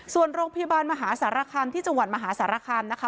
ส่วนโรงพยาบาลมหาสารคามที่จังหวัดมหาสารคามนะคะ